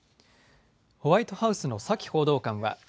ホワイトハウスのサキ報道官は。